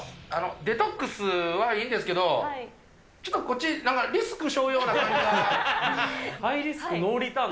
デトックスはいいんですけど、ちょっとこっち、ハイリスクノーリターン。